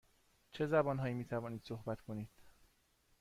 چه زبان هایی می توانید صحبت کنید؟